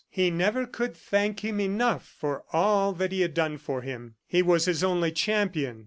He never could thank him enough for all that he had done for him. He was his only champion.